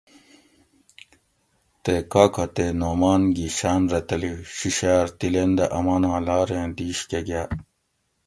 تے کاکا تے نعمان گھی شاۤن رہ تلی شِشاۤر تِلیندہ اماناں لاریں دِیش کہ گاۤ